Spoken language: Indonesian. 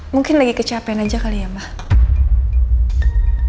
mungkin lagi kecapean aja kali ya mbak